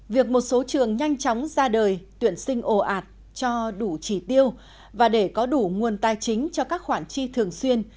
việc một số trường nhanh chóng ra đời tuyển sinh ồ ạt cho đủ trì tiêu và để có đủ nguồn tài chính cho các khoản chi thường xuyên